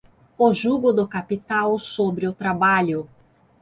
o jugo do capital sobre o trabalho